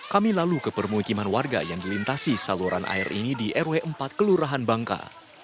kami lalu ke permukiman warga yang dilintasi saluran air ini di rw empat kelurahan bangka